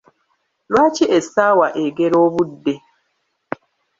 Lwaki essawa egera obudde?